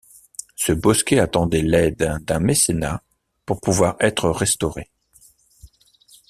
Ce bosquet attendait l'aide d'un mécénat pour pouvoir être restauré.